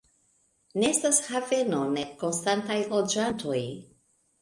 Ne estas haveno, nek konstantaj loĝantoj.